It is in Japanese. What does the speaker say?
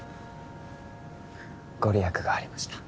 ご利益がありました